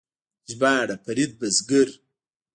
ژباړه فرید بزګر